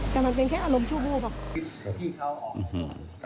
แต่มันเป็นแค่อารมณ์ชูบูบค่ะ